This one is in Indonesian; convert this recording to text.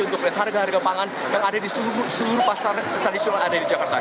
untuk melihat harga harga pangan yang ada di seluruh pasar tradisional yang ada di jakarta